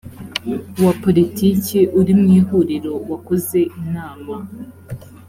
wa politiki uri mu ihuriro wakoze inama